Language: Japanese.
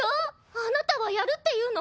あなたはやるっていうの？